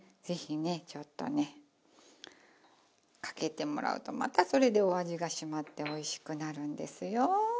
ぜひねちょっとねかけてもらうとまたそれでお味が締まっておいしくなるんですよ。